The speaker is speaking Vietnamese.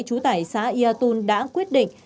chú tải xã yatun đã quyết định